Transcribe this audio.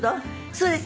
そうです。